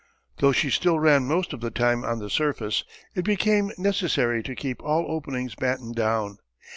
Though she still ran most of the time on the surface, it became necessary to keep all openings battened down.